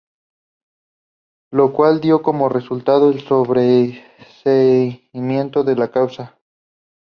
Lo cual dio como resultado el sobreseimiento de la causa.